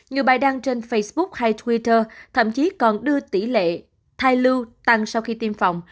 nhiều bài đăng trên facebook hay twitter thậm chí còn đưa tỷ lệ thai lưu tăng sau khi tiêm phòng